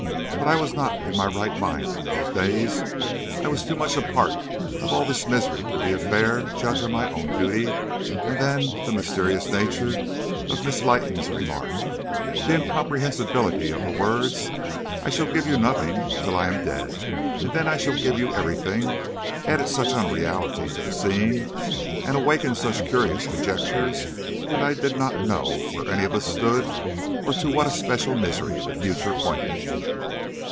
But I was not in my right mind in those days. I was too much a part of all this misery to be a fair judge of my own duty; and then the mysterious nature of Miss Leighton's remark, the incomprehensibility of the words 'I shall give you nothing till I am dead, and then I shall give you everything' added such unreality to the scene, and awakened such curious conjectures, that I did not know where any of us stood, or to what especial misery the future pointed.